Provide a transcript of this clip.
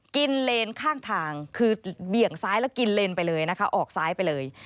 เลนข้างทางคือเบี่ยงซ้ายแล้วกินเลนไปเลยนะคะออกซ้ายไปเลย